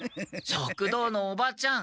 食堂のおばちゃん